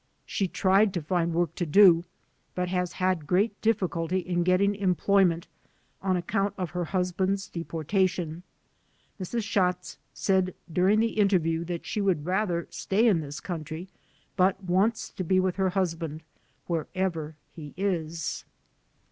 She tried to find work to do but has had great difficulty in getting employment on account of her husband's deportation. Mrs. Schatz said during the interview that she would rather stay in this country, but wants to be with her husband, wherever he is.